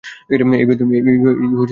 এই বোতামের কাজ কী?